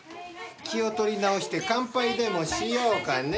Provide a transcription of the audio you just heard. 気を取り直して乾杯でもしようかね。